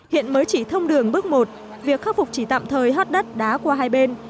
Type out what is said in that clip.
hiện mới chỉ thông đường bước một việc khắc phục chỉ tạm thời hót đất đá qua hai bên